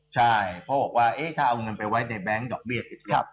ใช่เขาบอกว่าเอ๊ะถ้าเอาเงินไปไว้ในแบงค์ดอกเบี้ยติดลบ